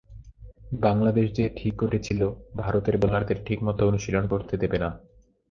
বাংলাদেশ যে ঠিক করেছিল ভারতের বোলারদের ঠিকমতো অনুশীলন করতে দেবে না।